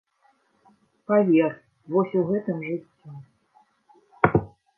Павер, вось у гэтым жыццё.